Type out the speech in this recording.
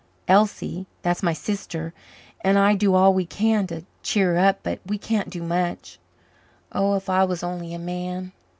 Elsie that's my sister and I do all we can to cheer her up, but we can't do much. Oh, if I was only a man!"